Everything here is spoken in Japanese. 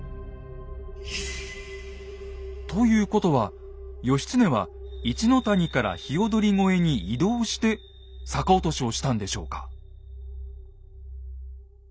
ということは義経は一の谷から鵯越に移動して逆落としをしたんでしょうか。